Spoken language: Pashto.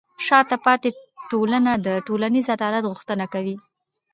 شاته پاتې ټولنه د ټولنیز عدالت غوښتنه کوي.